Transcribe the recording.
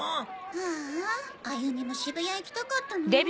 ああ歩美も渋谷行きたかったなぁ。